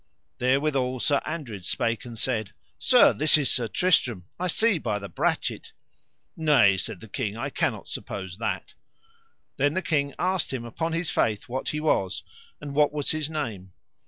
There withal Sir Andred spake and said: Sir, this is Sir Tristram, I see by the brachet. Nay, said the king, I cannot suppose that. Then the king asked him upon his faith what he was, and what was his name.